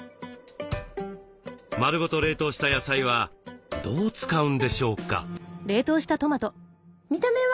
まるごと冷凍した野菜はどう使うんでしょうか？